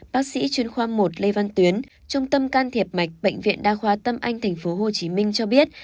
bác sĩ chuyên khoa một lê văn tuyến trung tâm can thiệp mạch bệnh viện đa khoa tâm anh tp hcm cho biết